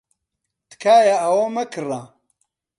تکایە ئەوە مەکڕە.